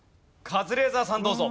カズレーザーさんどうぞ。